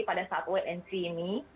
pada saat wnc ini